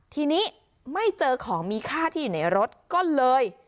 ทีนี้ไม่เจอของมีค่าที่อยู่ในรถก็เลย